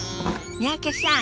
三宅さん